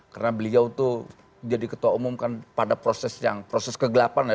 karena beliau tuh jadi ketua umum kan pada proses yang proses kegelapan ya